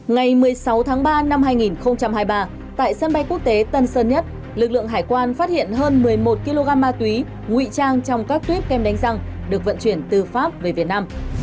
ngày một mươi sáu tháng ba năm hai nghìn hai mươi ba tại sân bay quốc tế tân sơn nhất lực lượng hải quan phát hiện hơn một mươi một kg ma túy ngụy trang trong các tuyếp kem đánh răng được vận chuyển từ pháp về việt nam